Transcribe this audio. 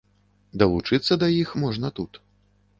Далучыцца да іх можна тут.